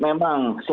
memang sudah berhasil